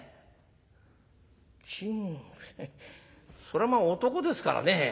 そりゃまあ男ですからね